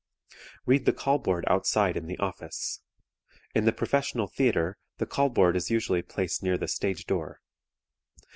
Read the call board outside in the office. In the professional theatre the call board is usually placed near the stage door.